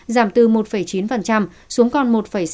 giảm từ một chín xuống còn một sáu